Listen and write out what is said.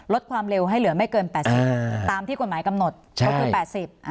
ลดความเร็วให้เหลือไม่เกินแปดสิบห้าตามที่กฎหมายกำหนดก็คือแปดสิบอ่า